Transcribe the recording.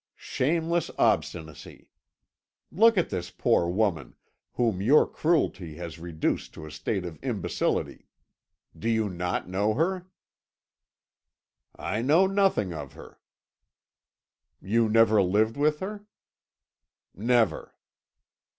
"Shameless obstinacy! Look at this poor woman, whom your cruelty has reduced to a state of imbecility. Do you not know her?" "I know nothing of her." "You never lived with her?" "Never."